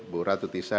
bu ratut isha